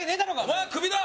お前はクビだ！